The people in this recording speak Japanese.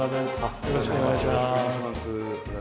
よろしくお願いします。